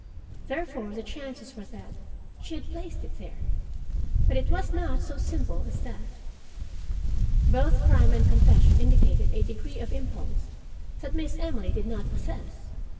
Therefore the chances were that she had placed it there. But it was not so simple as that. Both crime and confession indicated a degree of impulse that Miss Emily did not possess.